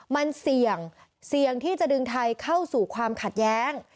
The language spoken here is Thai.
มันเสี่ยงเสี่ยงที่จะดึงไทยเข้าสู่ความขัดแย้ง